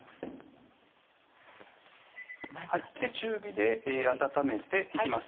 中火で温めていきます